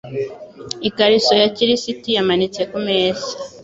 Ikariso ya kirisiti yamanitse kumeza.